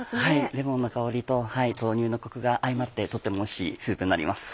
レモンの香りと豆乳のコクが相まってとってもおいしいスープになります。